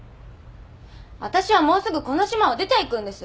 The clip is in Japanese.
わたしはもうすぐこの島を出て行くんです。